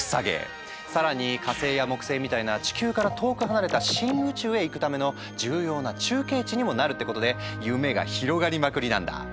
更に火星や木星みたいな地球から遠く離れた深宇宙へ行くための重要な中継地にもなるってことで夢が広がりまくりなんだ。